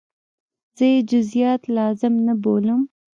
زه یې جزئیات لازم نه بولم.